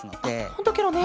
ほんとケロね。